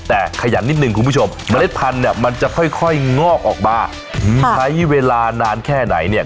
แต่ขยันนิดนึงคุณผู้ชมเมล็ดพันธุ์เนี่ยมันจะค่อยงอกออกมาใช้เวลานานแค่ไหนเนี่ย